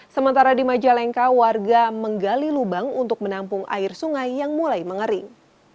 sementara di majalengka warga menggali lubang untuk menampung air sungai yang mulai mengering